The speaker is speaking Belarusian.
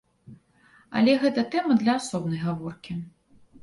Але гэта тэма для асобнай гаворкі.